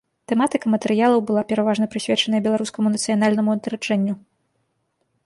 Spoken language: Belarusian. Тэматыка матэрыялаў была пераважна прысвечаная беларускаму нацыянальнаму адраджэнню.